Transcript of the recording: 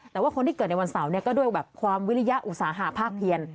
แต่ว่าคนที่เกิดในวันเสาร์ก็ด้วยแบบความวิริยอุตสาหะภาคเพียน